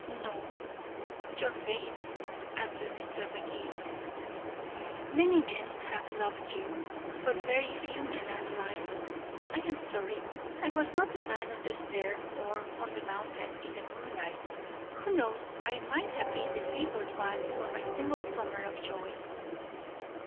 "No your face," answered Mr. Magee. "Many men have loved you, for very few men are blind. I am sorry I was not the man on the stair, or on the mountain in the moonlight. Who knows I might have been the favored one for my single summer of joy."